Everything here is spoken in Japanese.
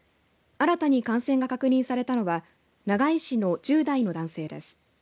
新たに感染が確認されたのは長井市の１０代の男性です。